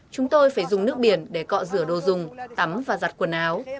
chúng tôi phải dùng nước biển để cọ rửa đồ dùng tắm và giặt quần áo